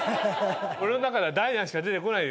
俺の中ではダイアンしか出て来ない